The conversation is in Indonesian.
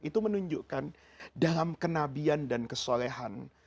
itu menunjukkan dalam kenabian dan kesolehan